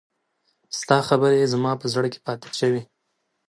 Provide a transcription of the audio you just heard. ستا خبرې زما په زړه کې پاتې شوې.